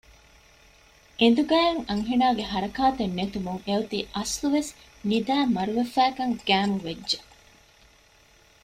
އެނދުގައި އޮތް އަންހެނާގެ ހަރަކާތެއް ނެތުމުން އެއޮތީ އަސްލުވެސް ނިދައި މަރުވެފައިކަން ގައިމުވެއްޖެ